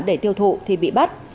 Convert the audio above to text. để tiêu thụ thì bị bắt